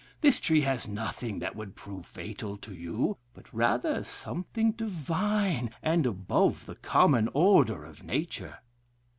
This tree has nothing that would prove fatal to you, but rather something divine, and above the common order of nature.